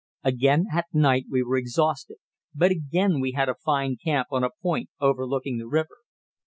Again at night we were exhausted, but again we had a fine camp on a point overlooking the river.